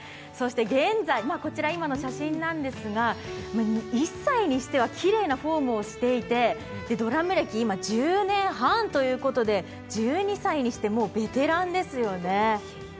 そして現在、写真なんですが、１歳にしてはきれいなフォームをしていてドラム歴、今１０年半ということで１２歳にしてもうベテランですよね。